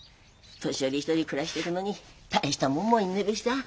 年寄り一人暮らしていくのに大したもんも要んねえべしさ。